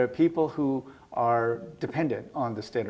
ada orang yang bergantung